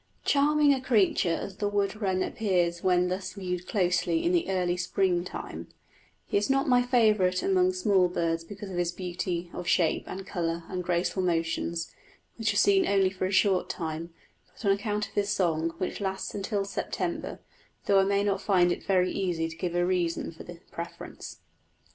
Charming a creature as the wood wren appears when thus viewed closely in the early spring time, he is not my favourite among small birds because of his beauty of shape and colour and graceful motions, which are seen only for a short time, but on account of his song, which lasts until September; though I may not find it very easy to give a reason for the preference.